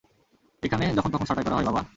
এখানে যখন তখন ছাঁটাই করা হয়, বাবা।